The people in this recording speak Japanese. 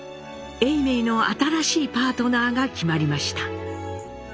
永明の新しいパートナーが決まりました。